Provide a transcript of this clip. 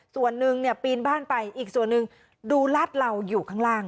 ส่วนหนึ่งเนี่ยปีนบ้านไปอีกส่วนหนึ่งดูลาดเหล่าอยู่ข้างล่าง